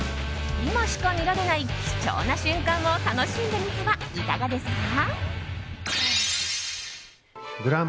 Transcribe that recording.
今しか見られない貴重な瞬間を楽しんでみてはいかがですか？